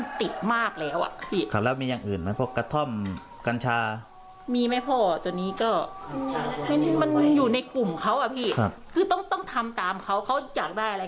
แล้วก็เหมือนเขาก็เลยคิดว่าเออตัวนี้มันเป็นจุดอ่อน